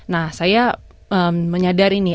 nah saya menyadari nih